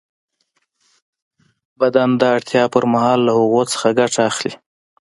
بدن د اړتیا پر مهال له هغوی څخه ګټه اخلي.